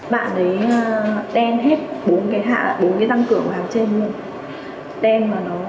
bạn ấy đen hết bốn cái răng cửa của hàng trên